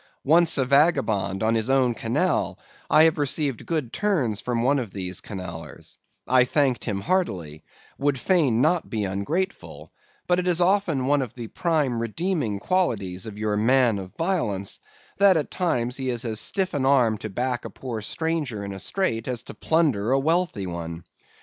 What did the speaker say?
Once a vagabond on his own canal, I have received good turns from one of these Canallers; I thank him heartily; would fain be not ungrateful; but it is often one of the prime redeeming qualities of your man of violence, that at times he has as stiff an arm to back a poor stranger in a strait, as to plunder a wealthy one.